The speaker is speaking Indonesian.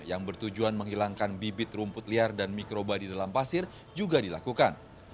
yang bertujuan menghilangkan bibit rumput liar dan mikroba di dalam pasir juga dilakukan